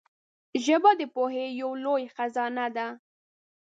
ژبه د پوهې یو لوی خزانه ده